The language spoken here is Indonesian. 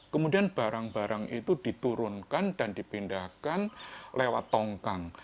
kemudian barang barang itu diturunkan dan dipindahkan lewat tongkang